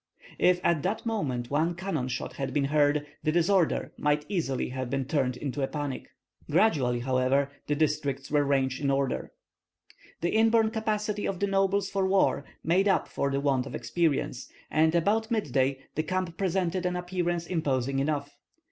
If at that moment one cannon shot had been heard, the disorder might easily have been turned to a panic. Gradually, however, the districts were ranged in order. The inborn capacity of the nobles for war made up for the want of experience, and about midday the camp presented an appearance imposing enough.